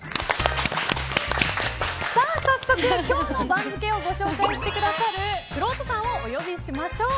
早速、今日の番付をご紹介してくださるくろうとさんをお呼びしましょう。